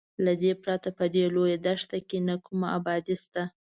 له دې پرته په دې لویه دښته کې نه کومه ابادي شته.